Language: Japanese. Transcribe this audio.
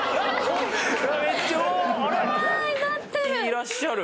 いらっしゃる。